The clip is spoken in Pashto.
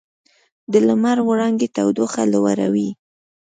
د لمر وړانګې تودوخه لوړوي.